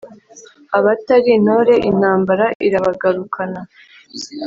Abatari intore intambara irabagarukana.